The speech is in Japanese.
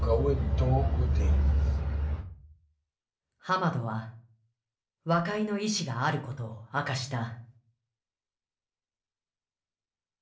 ハマドは和解の意思があることを明かした。